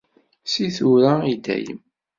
Si tura i dayem.